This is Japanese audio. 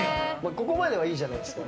ここまではいいじゃないですか。